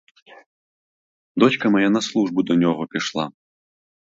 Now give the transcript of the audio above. Дочка моя на службу до нього пішла.